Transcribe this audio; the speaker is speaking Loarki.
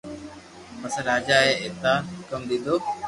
پسي راجا اي اينآ ھڪم ديدو